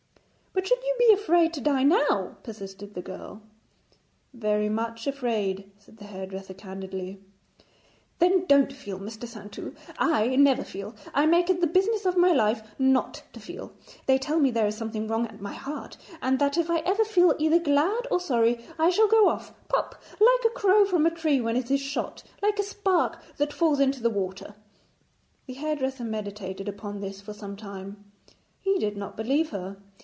'But should you be afraid to die now?' persisted the girl. 'Very much afraid,' said the hairdresser candidly. 'Then don't feel, Mr. Saintou. I never feel. I make it the business of my life not to feel. They tell me there is something wrong at my heart, and that if I ever feel either glad or sorry I shall go off, pop, like a crow from a tree when it is shot, like a spark that falls into water.' The hairdresser meditated upon this for some time. He did not believe her.